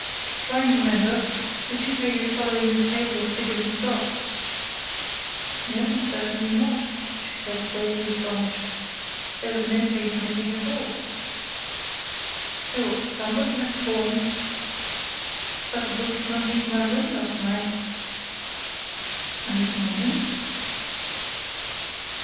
Try and remember: the two pages following this table of figures and dots?" "No, certainly not," she said, greatly astonished. "There was no page missing at all." "Still, somebody has torn—" "But the book did not leave my room last night." "And this morning?"